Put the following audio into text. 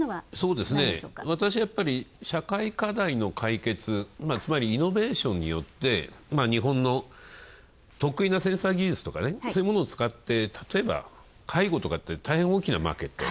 私やっぱり、社会課題の解決、つまりイノベーションによって、日本の得意なセンサー技術とか、そういうものを使って、たとえば介護とか、大変大きなマーケット。